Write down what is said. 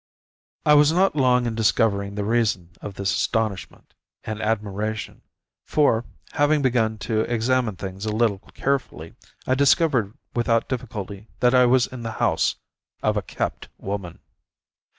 I was not long in discovering the reason of this astonishment and admiration, for, having begun to examine things a little carefully, I discovered without difficulty that I was in the house of a kept woman.